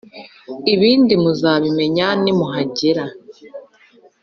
ibindi muzabimenya nimuhagera.